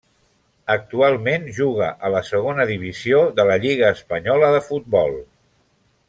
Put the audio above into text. Actualment juga a la Segona divisió de la lliga espanyola de futbol.